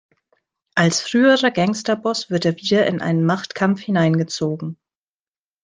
Als früherer Gangsterboss wird er wieder in einen Machtkampf hineingezogen.